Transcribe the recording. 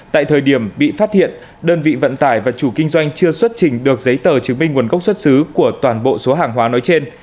tại thời điểm bị phát hiện đơn vị vận tải và chủ kinh doanh chưa xuất trình được giấy tờ chứng minh nguồn gốc xuất xứ của toàn bộ số hàng hóa nói trên